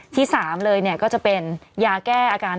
๓ยาแก้อาการตามโรคต่าง